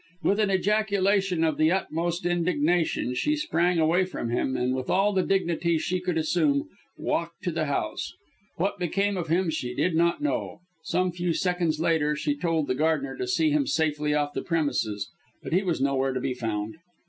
With an ejaculation of the utmost indignation, she sprang away from him, and with all the dignity she could assume, walked to the house. What became of him she did not know. Some few seconds later she told the gardener to see him safely off the premises, but he was nowhere to be found.